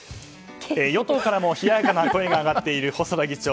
与党からも冷ややかな声が上がっている細田議長。